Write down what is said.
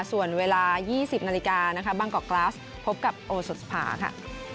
ส่วนเวลา๒๐นาฬิกานะคะบางกอกกราสพบกับโอสดสภาค่ะ